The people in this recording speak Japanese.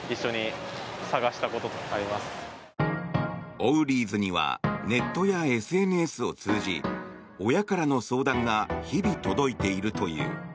オウリーズにはネットやＳＮＳを通じ親からの相談が日々、届いているという。